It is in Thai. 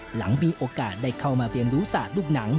หลังมีโอกาสได้เข้ามาเรียนรู้ศาสตร์ลูกหนัง